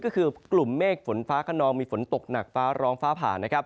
ก็คือกลุ่มเมฆฝนฟ้าขนองมีฝนตกหนักฟ้าร้องฟ้าผ่านะครับ